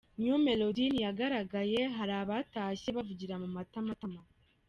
New Melody ntiyagaragaye, hari abatashye bavugira mu matamatama.